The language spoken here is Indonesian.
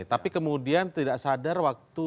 tapi kemudian tidak sadar waktu itu terjadi